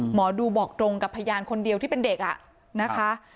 หมอดูบอกตรงกับพยานคนเดียวที่เป็นเด็กนะคะ